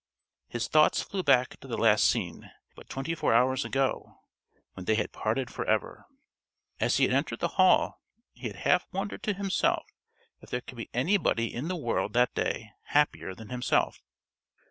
His thoughts flew back to that last scene, but twenty four hours ago, when they had parted for ever. As he had entered the hall he had half wondered to himself if there could be anybody in the world that day happier than himself.